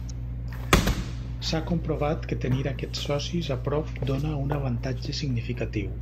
S'ha comprovat que tenir aquests socis a prop dóna un avantatge significatiu.